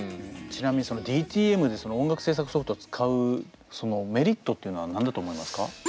ちなみにＤＴＭで音楽制作ソフトを使うメリットっていうのは何だと思いますか？